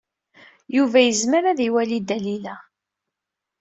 Yuba yezmer ad iwali Dalila.